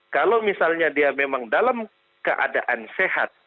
kalau misalnya dia memang dalam keadaan sehat